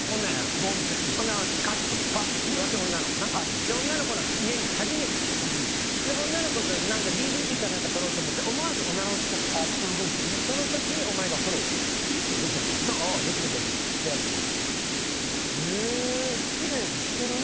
どういう設定ほんならやろほんならワシカップルでワシ女の子なはいはい初めて行って女の子の家に初めて行ってで女の子が何かＤＶＤか何か取ろうと思って思わずオナラをしちゃったああちょっと動いてねその時にお前がフォローできるかプウって出ちゃったそうできるできるやってみましょへえキレイにしてるね